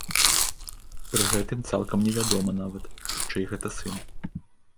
Пры гэтым цалкам невядома нават, чый гэта сын.